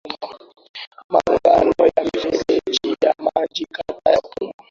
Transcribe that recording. Miungano ya mifereji ya maji taka ya umma